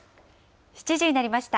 ７時になりました。